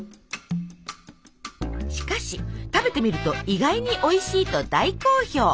しかし食べてみると意外においしいと大好評。